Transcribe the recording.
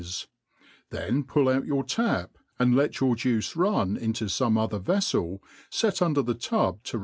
S4..thea pull out your tap, and let Jbiif juice run into fomc other vefleLf^ under thc;tub to.